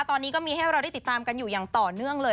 ตอนนี้ก็มีให้เราได้ติดตามกันอยู่อย่างต่อเนื่องเลย